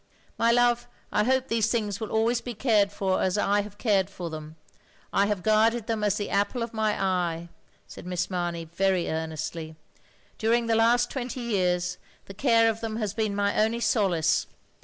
My love, I hope these things will always be cared for as I have cared for them. I have guarded them as the apple of my eye, " said Miss Mamey, very earnestly. "During the last twenty years, the care of them has been my only solace.